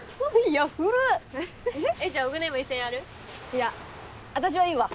いや私はいいわ。